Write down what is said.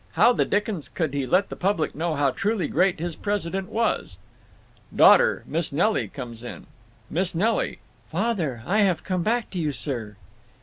How the dickens could he let the public know how truly great his president was? (Daughter, Miss Nelly, comes in.) Miss Nelly: Father, I have come back to you, sir.